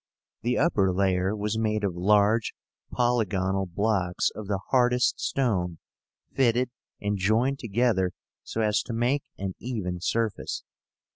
The upper layer was made of large polygonal blocks of the hardest stone, fitted and joined together so as to make an even surface.